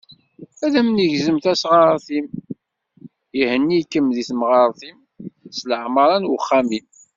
Ad am-negzem tasɣart-im, ihenni-kem deg temɣart-im, s leɛmara n uxxam-im.